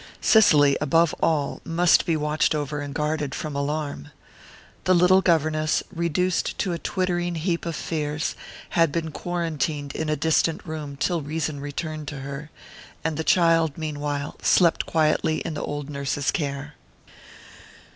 Cicely, above all, must be watched over and guarded from alarm. The little governess, reduced to a twittering heap of fears, had been quarantined in a distant room till reason returned to her; and the child, meanwhile, slept quietly in the old nurse's care.